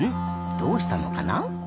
どうしたのかな？